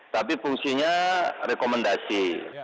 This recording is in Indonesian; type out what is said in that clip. tapi fungsinya rekomendasi